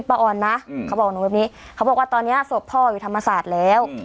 ป้าออนนะอืมเขาบอกว่าตอนนี้ศพพ่ออยู่ธรรมศาสตร์แล้ว